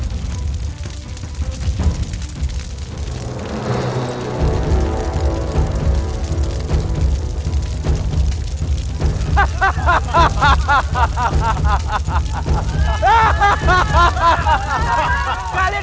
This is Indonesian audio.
kita akan melakukannya